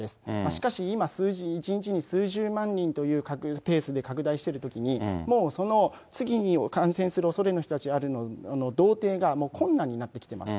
しかし今、数字、１日に数十万人というペースで拡大してるときに、もうその次に感染するおそれのあるひとたちの同定が困難になってきています。